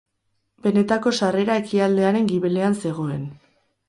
Benetako sarrera ekialdearen gibelean zegoen.